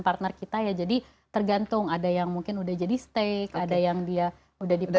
partner kita ya jadi tergantung ada yang mungkin sudah jadi steak ada yang dia sudah di proses